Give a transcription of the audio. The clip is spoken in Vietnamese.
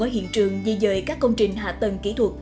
ở hiện trường di dời các công trình hạ tầng kỹ thuật